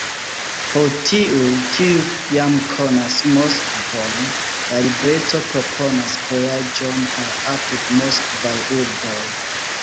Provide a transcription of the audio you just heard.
Por tiuj, kiuj jam konas Moskvon, la libreto proponas vojaĝon al apudmoskvaj urboj.